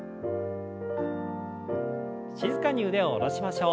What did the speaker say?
静かに腕を下ろしましょう。